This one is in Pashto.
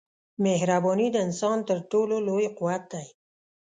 مهرباني د انسان تر ټولو لوی قوت دی.